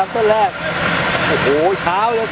ยิ่งขึ้นขาบอันแรกขึ้นขาบต้นแรก